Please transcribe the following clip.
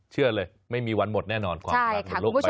เชื่อเลยไม่มีวันหมดแน่นอนความรักความรักมันโลกไปดี